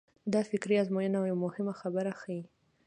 دا فکري ازموینه یوه مهمه خبره ښيي.